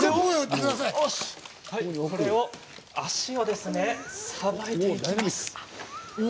足をさばいていきます。